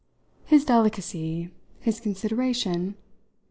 "His delicacy. His consideration.